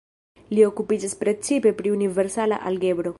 Li okupiĝas precipe pri universala algebro.